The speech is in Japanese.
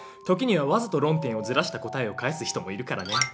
時にはわざと論点をずらした答えを返す人もいるからね。